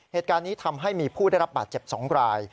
เหตุการณ์นี้ทำให้มีผู้ได้รับบาดเจ็บ๒ราย